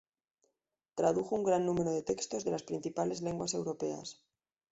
Tradujo un gran número de textos de las principales lenguas europeas.